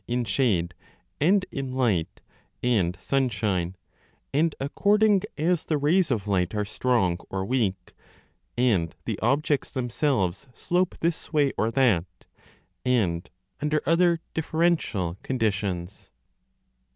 793 h RE COLORIBUS shade and in light and sunshine, and according as the rays of light are strong or weak, and the objects themselves slope this way or that, and under other differential conditions.